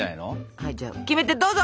はいじゃあキメテどうぞ！